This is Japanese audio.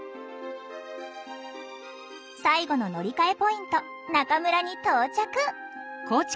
最後の乗り換えポイント中村に到着。